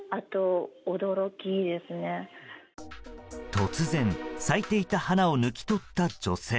突然、咲いていた花を抜き取った女性。